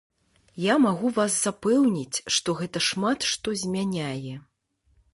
Я магу вас запэўніць, што гэта шмат што змяняе.